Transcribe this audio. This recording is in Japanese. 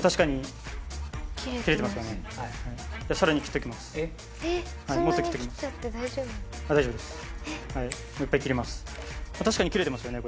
確かに切れてますよね。